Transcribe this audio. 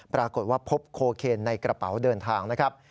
ปรากฏว่าพบโคเคนในกระเป๋าเดินทางนะครับ